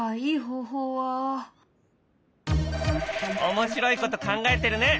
面白いこと考えてるね！